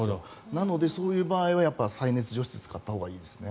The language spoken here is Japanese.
なので、そういう場合は再熱除湿を使ったほうがいいですね。